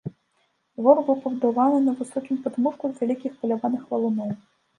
Двор быў пабудаваны на высокім падмурку з вялікіх палявых валуноў.